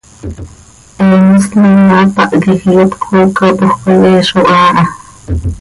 He mos Lola hapáh quij iyat cöcoocapoj coi, he zo haa ha.